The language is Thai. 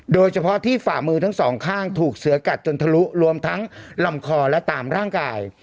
โดยเฉพาะที่ฝ่ามือทั้งสองข้างถูกเสือกัดจนทะลุรวมทั้งลำคอและตามร่างกาย